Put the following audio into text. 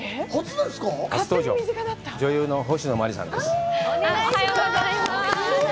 女優の星野真里さんです。